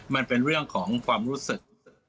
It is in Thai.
มันเป็นเรื่องของความรู้สึก